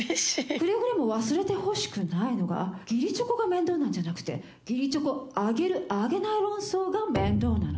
くれぐれも忘れてほしくないのが義理チョコが面倒なんじゃなくて義理チョコあげるあげない論争が面倒なの。